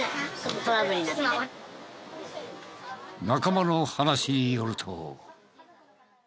仲間の話によると。